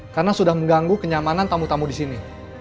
karena sudah mengganggu kenyamanan tamu tamu disini